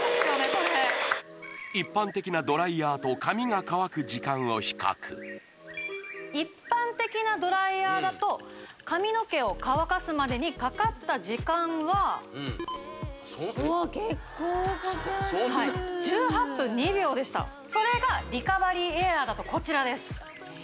これ一般的なドライヤーと髪が乾く時間を比較一般的なドライヤーだと髪の毛を乾かすまでにかかった時間は結構かかる１８分２秒でしたそれがリカバリーエアーだとこちらです